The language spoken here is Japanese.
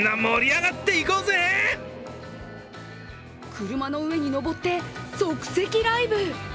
車の上にのぼって、即席ライブ。